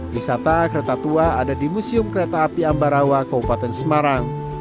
wisata kereta tua ada di museum kereta api ambarawa kabupaten semarang